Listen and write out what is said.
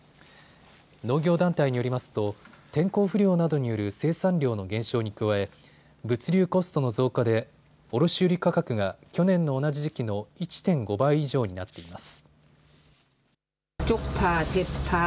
農業団体によりますと天候不良などによる生産量の減少に加え、物流コストの増加で卸売価格が去年の同じ時期の１．５倍以上になっています。